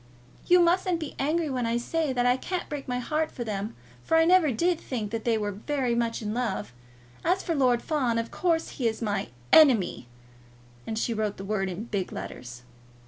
"You mustn't be angry when I say that I can't break my heart for them, for I never did think that they were very much in love. As for Lord Fawn, of course he is my ENEMY!" And she wrote the word in big letters.